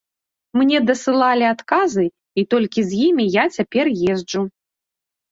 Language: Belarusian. Мне дасылалі адказы, і толькі з імі я цяпер езджу.